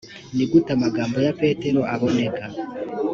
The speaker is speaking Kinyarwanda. ni gute amagambo ya petero aboneka